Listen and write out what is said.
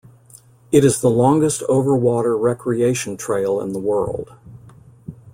It is the longest overwater recreation trail in the world.